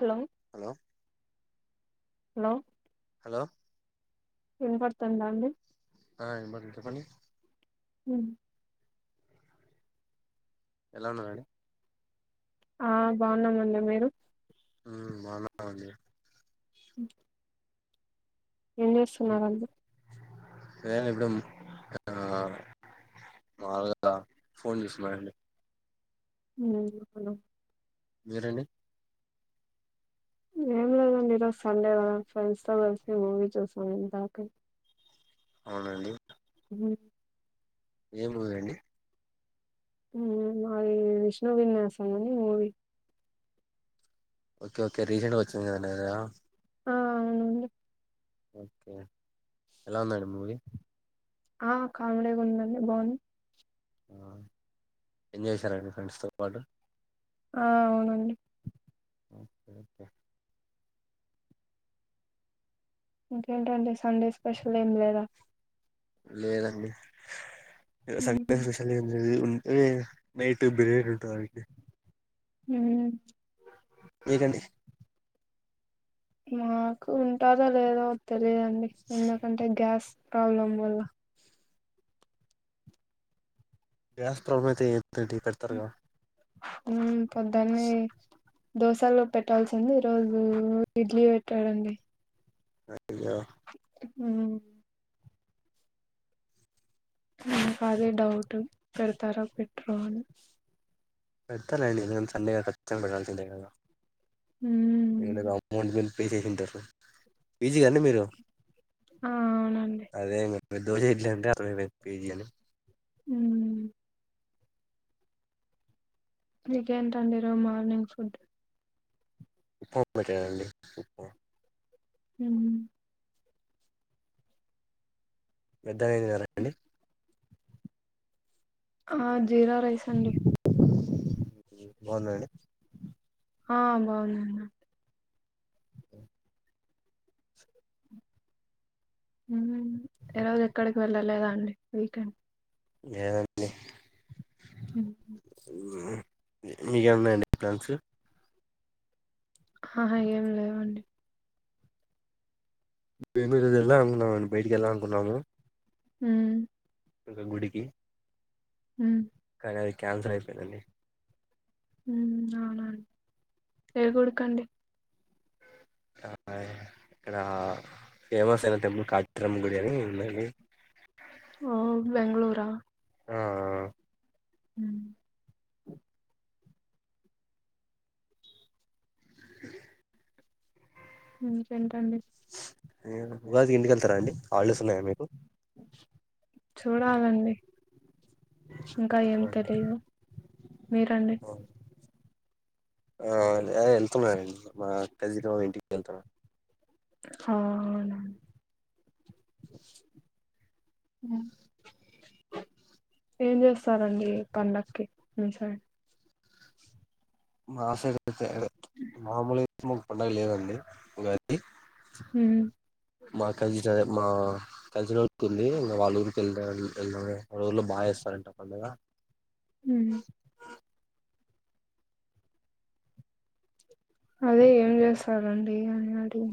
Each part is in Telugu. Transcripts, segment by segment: హలో హలో హలో హలో విన్ పడుతుందా అండి ఆ విన్‌బాడ్‌టుండి చెపాండి హ ఎలా ఉన్నాన్నాడి ఆ బాగున్నామండి మీరు హ్మ్ బావున్న అండీ మ్ ఎన్నస్తున్నార అంది నెన్ [unintelligible] ఇప్పుడు మాగా ఫోన్ చూసున్నానండి హా అను మిరాండి ఏం లేదండి ఈరోజు సండే కదా ఫ్రెండ్స్ తో కలిసి మూవీ చూసాం ఇందాకే అవునండి అవును ఏ మూవీ అండీ హా మాది విష్ణు విన్యాసం అని మూవీ ఓకే ఓకే రీసెంట్ గా వచ్చింది కదా ద ఆ అన్వు ఓకే ఎలా ఉందండి మూవి ఆ కామడేగా ఉందండి బాగుంది ఆ ఎంజాయ్ చేసారండి ఫ్రెండ్స్తో పాటు ఆ అవునండి ఓకే ఓకే. ఇంకేంటండి సండే స్పెషల్ ఏం లేదా లేదండి సాండే స్పెషల్ ఎంలే [unintelligible] ఏ నైట్ బిర్యానీ ఉండానికీ హ నికండి మాకు ఉంటదా లేదో తెలిదండి ఎందుకంటే గ్యాస్ ప్రాబ్లమ్ వల్ల గ్యాస్ ప్రబ్లమయితే ఏ ఉ పెద్దన్న దోశలో పెట్టాల్సింది ఈ రోజు ఇడ్లీ పెట్టాడండి యా మ్ నాకు అదే డౌట్ పెడతారా పెట్రో అని పెట్టాలండి ఎ సండే గాచ్చం పెట్టాల సింద్ సగా హ [unintelligible] అమౌంట్ మీరు పే చేసింటారు పజీ కాండి మీరు ఆ అవునండి మీర్ దోసే ఇడ్లీ అంటే అర్థమైంద్ పీజీ అని ఉహ్మ్ నీకేంటండీ ఈ రోజ్ మార్నింగ్ ఫుడ్ పోప్ పెట్టరండి ఉప్మా ఉహ్ పెద్దయినారండి అద్ జీర రైస్ అండి బావుదండి ఆ బావుంది అన్న ఊ ఊ ఈ రోజు ఎక్కడికి వెళ్ళలేదా అండి వీకెండ్ లేదండి మ్మ్ హుమ్ మీ కేమైన ఉన్నాయండి ప్లాన్స్ హాహా ఏం లేవండి బెంగళూరు వెళ్దాం అనుకున్నామండి బయటికి వెళ్దాం అనుకున్నాము హుమ్ ఒక గుడికి హు కాని అది కాన్సల్ అయిపోయిందండి ఉమ్ అవునా ఏ గుడికండి ఆ అయ్ అక్కడ ఫేమస్ అయిన టెంపుల్ కాయిత్రమ్మ గుడి అని ఉీ ఓ బెంగుళూరా ఆ హ్మ్ ఇంకేంటండీ ఉగాదికి ఇంటికెళ్తారా అండి హాలిడేస్ ఉన్నాయా మీకు చుడాలండి ఇంక ఏం తెలీదు మీరండి ఆ ఏ వెళ్తున్నండి మా కజిన్ వాళ్ళ ఇంటికి వెళ్తున్న హవున ఏం చేస్తారండి పండక్కి మి సైడ్ మా సైడ్ సైడ్ మామూలే మాక్ పండగ లేదండి ఉగాది హుమ్ మా కజిన్ అదే మా కలిసినోళ్ల పెళ్లి ఇంగా వాళ్ళ ఊరికి వెళ్తాం వెళ్దామ్ వాళ్ళ ఊళ్లో బాగా చేస్తారంట పండగ ఉమ్ అదే ఏం జేస్తారండి అని అడిగ్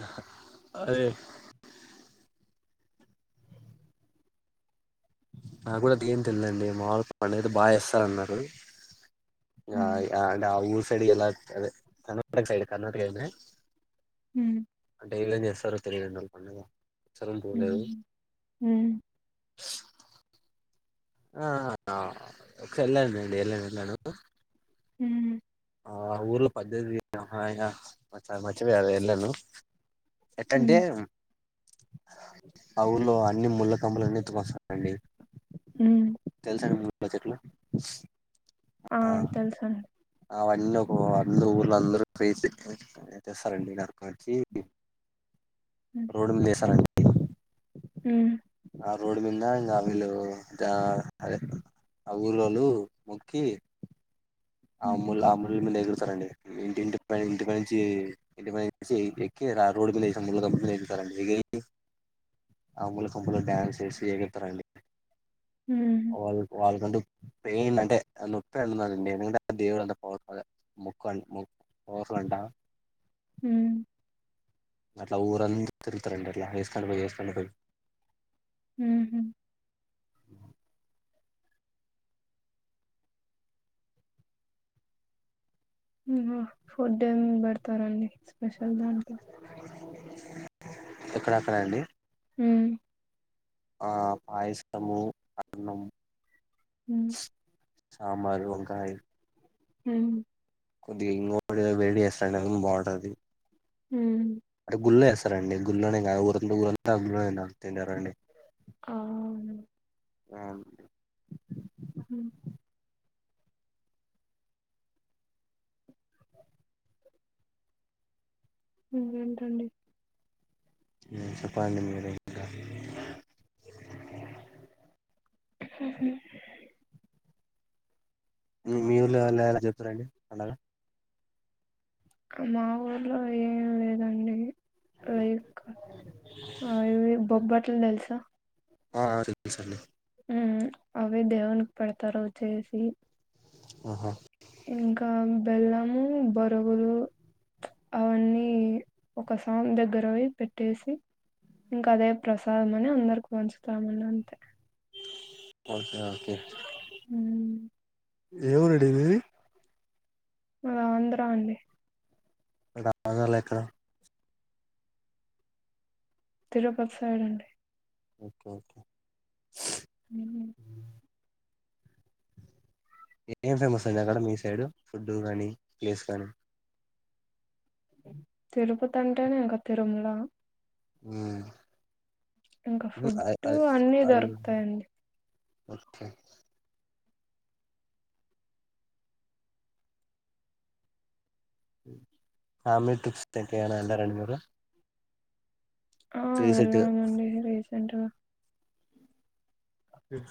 ఆహా నండి [unintelligible] నాకు కూడా ఎంతెల్ దండి మా వాళ్ళు పండగ ఐతే బా చేస్తా అన్నారు ఆ ఇక అంటే ఆ ఉస్ తెలీదు నాక్ అదే ఎలా కర్ణాటక సైడ్ కర్ణాటక ఐతే అంటే వీళ్ళేం చేస్తారో తెలిదండి నాక్ పండుగ ఉహుమ్ ఉమ్ ఆ సర్లే అండి నేనె వెళ్ళను హుమ్ ఆ ఊర్లో పద్దది అ ఇంగ మచ్చ మచ్చవి అవె ఎల్ను ఎక్కంటే ఆ ఊర్లో అన్ని ముళ్లకమ్మలన్నీ తావకొస్తారంండి తెలుసండి మీ బడ్ జట్లా ఆ తెలుసండి అవన్నీ ఒకవ అందరుూ ఊళ్ళ అందరూ ఫసిస్తారండి ఇరక వచ్చి రోడ్ మీద వేస్తర ఉమ్ ఆ రోడ్ మింద ఇంక వీళ్ళు దే ఆ ఊరులోళ్ళు మొక్కి ఉమ్, అమూల అమ్ మీద ఎగుడతారండి ఇంటింటి ఇంటిని నుంచి ఇంటి నుంచి ఎక్కి రోడ్ మీద అ మూల కంప మీద ఎక్కుతారండి ఎ ఆ అల కంపులు డ్యాన్స్ వేసి ఎగుడతారండి వాల్ వాల్కంటు పెయిన్ అంటే ఆ నొప్పి అన్నా నుండి దేవుడు అంతా పవర్ఫుల్ మొక్కు పవర్ఫుల్ అంట ఉమ్ అట్లా ఊరంత తిరుగుతారండి అట్లా వేసుకొని పోయి వేసుకొని పోయి ఊహు ఫుడ్ ఏమ్ పెడతారండి స్పెషల్ దాంట్ల ఎక్కడెక్కడ అండి హుమ్ ఆ పాయసము అన్నం హుమ్ సాంబార్ వంకాయ్ హుమ్ కొద్దిగా ఇంగోడె వేడిస్తాండ్ ఎ బావుంటది హుమ్ అంటె గుల్లే స్ రండి గుల్లోనెగ ఊరంతా తినరండి ఆ అ అండి హ ఏంటండి చెప్పండి మీరె ఇంకా మ్ హు మీ ఊర్లో అలా ఎలా చెస్తారండి పండగా మా ఊర్లో ఏం లేదండి లైక్ ఇ బొబ్బ ట్ల్ తెలుసా ఆ సరే [unintelligible] మ్ అవి దేవునికి పెడతారు చేసి ఆహా ఇంకా బెల్లము బొరుగులు అవన్నీ ఒక సామి దగ్గరబొయి పెట్టేసి ఇంకా అదే ప్రసాదం అని అందరికి పంచుతామని అంతే ఓ ఓకే ఎవూరండి మీది మాది ఆంద్ర అండి ఆంధ్రల ఎక్కడ? తిరుపతి సైడ్ అండి ఓకే ఓకే [unintelligible] ఏం ఫేమస్ అయింది అక్కడ మీ సైడ్ ఫుడ్డు కానీ ప్లేస్ కానీ తిరుపతి అంటేనే ఇంకా తిరుమల ఆ ఇంకా ఫుడ్ అన్నీ దొరుకుతాయండి ఓకే ఫ్యామిలీ ట్రిప్స్ ఎటు ఐనా వెళ్ళారండి మీరు ఆ రీసెంట్ గా వెళ్ళానండి రీసెంట్ గా స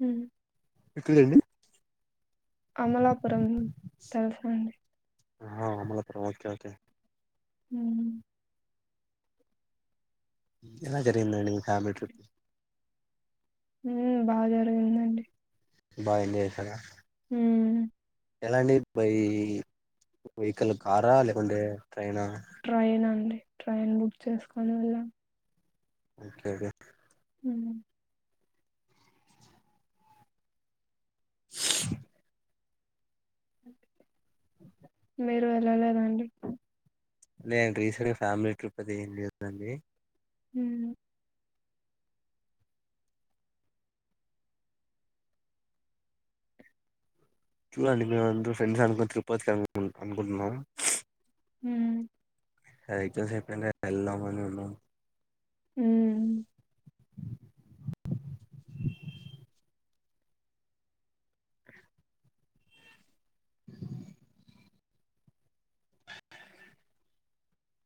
హ్మ్ ఎక్కడండి అమలాపురం తెలుసా అండి ఆ అమలాపురం ఓకే ఓకే హ్మ్ ఎలా జరిగిందండి ఫ్యామిలీ ట్రిప్ మ్ బాగా జరిగిందండి బాగ ఎంజాయ్ చేసార ఉమ్ ఎలాంటి బై వెహికల్ కారా లేకుంటే ట్రైనా ట్రైన్ అండి ట్రైన్ బుక్ చేసుకోని వెళ్ళాం ఓకే కే హ్మ్ మీరు వెల్లలేదా అండి నేను రీసెంట్ గా ఫ్యామిలీ ట్రిప్ అది ఏం లేదు అండి ఉమ్ ట్లండి మేమంద్రు ఫ్రెండ్సన్కోన్ తిరుపతికి అనుకు అనుకుంటున్నాం. హుమ్ ఇసారెగ్జామ్స్ అయ్పెయ్నాకెళ్దామనున్నాం. ఉమ్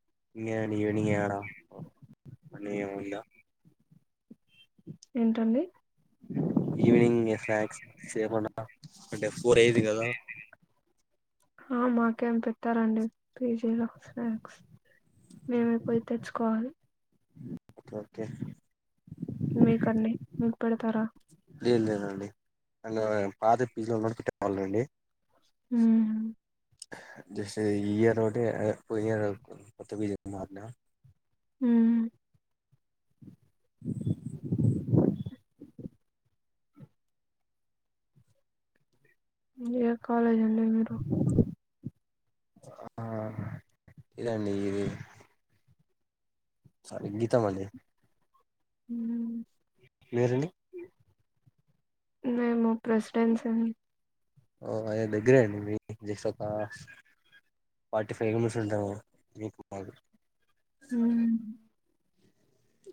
[unintelligible] ఏంటండి. ఈవినింగె స్నాక్స్ సేమన అంటె ఫోరైంది కద. ఆ మాకేం పెట్టరండి పీజీలో స్నాక్స్. మేమే పొయ్ తెచ్చుకోవాలి. మ్ ఒకె ఒకె. మీకండి మీక్ పెడతార. లేద్ లేదండి అన్ పాత పీజీలో ఉన్నప్పుడు పెట్టేవాల్లండి. ఉమ్ జస్ట్ ఈ ఇయరొకటే పొయ్యేంత వరకు కొత్త పీజీలోకి మార్నా. ఉమ్ ఏ కాలేజండి మీరు. ఆ ఇదండి ఇది. సారి గీతామణి. ఉమ్ మీరండి. నేము ప్రెసిడెన్సండి. ఓ అదె దగ్గరె అండి మీది జస్టొక ఫార్టీ ఫైవ్ [unintelligible] ఉంటాము మీకు మాకు. ఉమ్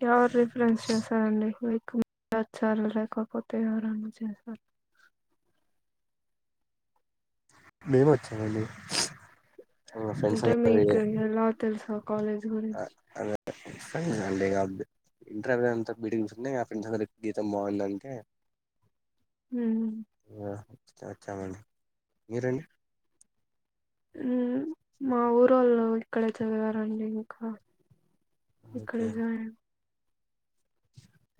ఎవర్ రిఫరెన్స్ చేసారండి మీ. [unintelligible] వచ్చారు లేకపోతే ఎవరన్న చేశారు. మేమొచ్చామండి. అంటె మీకు ఎలా తెల్సు. కాలేజ్ గురించి. [unintelligible] ఇంటరైపొయ్ అంతా బీటెక్ దీస్కుంటే ఆ ఫ్రెండ్సందరు గీతం బాందంటె. మ్మ్. అ చ చాలండి మీరండి. ఉమ్ మా ఊరోళ్ళు ఇక్కడే చదివారండి ఇంక. ఇక్కడె జాయన్.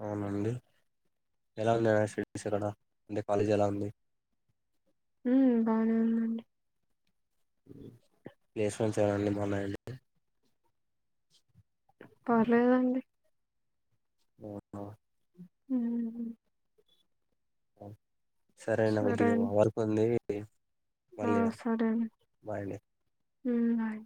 ఔనండి ఎలా ఉంది [unintelligible] అంటె కాలేజెలా ఉంది. ఉమ్ బానే ఉందండి. ప్లేస్మెంట్స్ యావండి బాన్నాయండి. పర్లేదండి. ఒ ఓ హు అ సరే అన్న కొద్దిగా వర్క్ ఉంది ఓకే ఆ సరే అండి అండి హు బాయ్